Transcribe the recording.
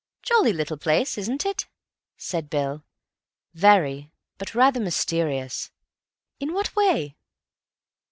"Jolly little place, isn't it?" said Bill. "Very. But rather mysterious." "In what way?"